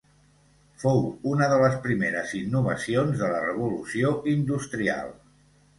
Fou una de les primeres innovacions de la Revolució Industrial.